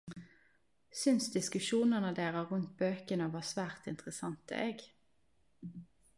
Synes diskusjonane deira rundt bøkene var svært interessante eg.